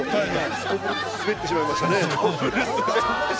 すこぶる滑ってしまいましたね。